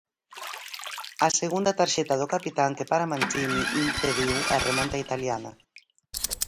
A segunda tarxeta do capitán que, para Mancini, impediu a remonta italiana.